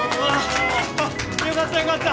よかったよかった！